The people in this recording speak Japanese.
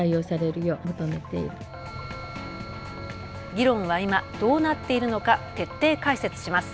議論は今、どうなっているのか徹底解説します。